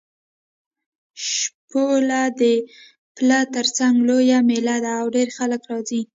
شپوله د پله تر څنګ لویه مېله ده او ډېر خلک راځي.